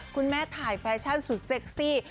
คุณแม่ถ่ายแฟชั่นสุดเซ็กซี่